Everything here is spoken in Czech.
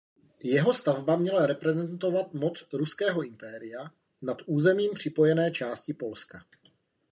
Jeho stavba měla reprezentovat moc Ruského impéria nad územím připojené části Polska.